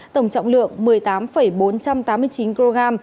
tổng trọng lượng một mươi tám bốn trăm tám mươi chín kg